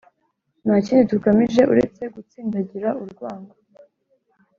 nta kindi tugamije uretse gutsindagira urwango